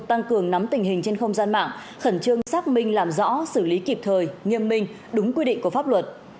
tăng cường nắm tình hình trên không gian mạng khẩn trương xác minh làm rõ xử lý kịp thời nghiêm minh đúng quy định của pháp luật